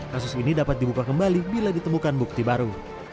kasus ini dapat dibuka kembali bila ditemukan bukti baru